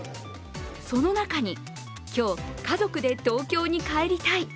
その中に、今日、家族で東京に帰りたい！